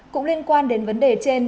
cũng liên quan đến vấn đề trên